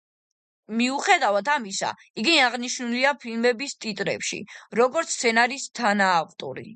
მიუხედავად ამისა, იგი აღნიშნულია ფილმების ტიტრებში, როგორც სცენარის თანაავტორი.